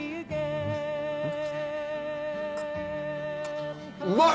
うんうん。